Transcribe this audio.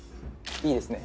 いいですね